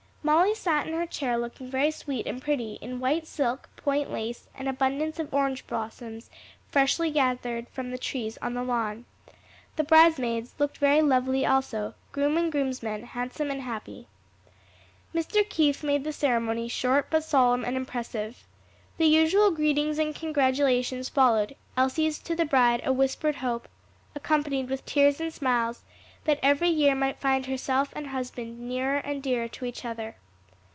Molly sat in her chair looking very sweet and pretty in white silk, point lace, and abundance of orange blossoms freshly gathered from the trees on the lawn. The bridesmaids looked very lovely also; groom and groomsmen handsome and happy. Mr. Keith made the ceremony short but solemn and impressive. The usual greetings and congratulations followed; Elsie's to the bride a whispered hope, accompanied with tears and smiles, that every year might find herself and husband nearer and dearer to each other.